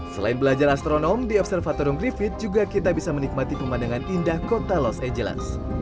selain belajar astronom di observatorium griffith juga kita bisa menikmati pemandangan indah kota los angeles